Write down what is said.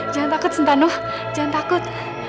jangan takut sentano jangan takut